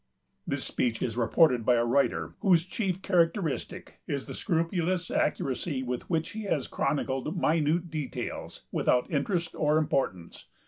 This speech is reported by a writer whose chief characteristic is the scrupulous accuracy with which he has chronicled minute details without interest or importance.